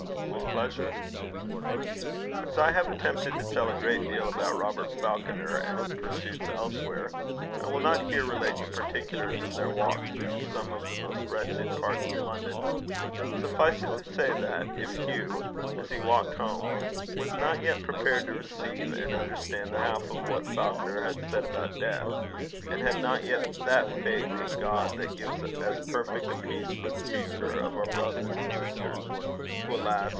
"With pleasure." As I have attempted to tell a great deal about Robert Falconer and his pursuits elsewhere, I will not here relate the particulars of their walk through some of the most wretched parts of London. Suffice it to say that, if Hugh, as he walked home, was not yet prepared to receive and understand the half of what Falconer had said about death, and had not yet that faith in God that gives as perfect a peace for the future of our brothers and sisters, who, alas!